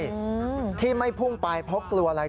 ข้างรางรถไฟที่ไม่พุ่งไปเพราะกลัวอะไร